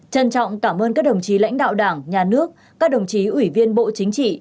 trân trọng cảm ơn các đồng chí lãnh đạo đảng nhà nước các đồng chí ủy viên bộ chính trị